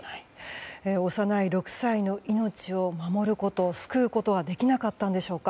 幼い６歳の命を守ること救うことはできなかったんでしょうか。